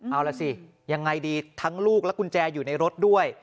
เอาล่ะสิยังไงดีทั้งลูกและกุญแจอยู่ในรถด้วย